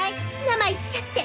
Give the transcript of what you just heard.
ナマ言っちゃって！